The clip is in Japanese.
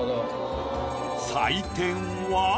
採点は。